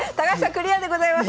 クリアでございます！